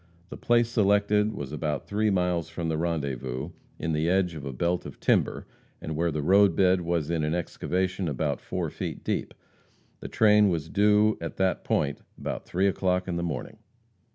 The place selected was about three miles from the rendezvous, in the edge of a belt of timber, and where the road bed was in an excavation about four feet deep. The train was due at that point about three o'clock in the morning.